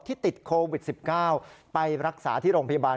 ติดโควิด๑๙ไปรักษาที่โรงพยาบาล